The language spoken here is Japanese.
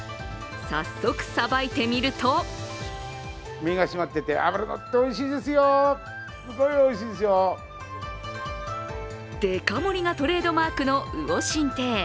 早速さばいてみるとデカ盛りがトレードマークの魚心亭。